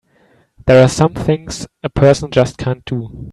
There are some things a person just can't do!